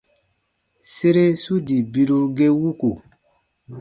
Sere su dii biru ge wuku.